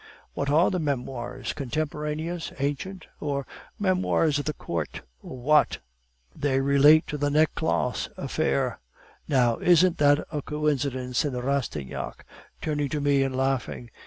"'What are the memoirs contemporaneous, ancient, or memoirs of the court, or what?' "'They relate to the Necklace affair.' "'Now, isn't that a coincidence?' said Rastignac, turning to me and laughing.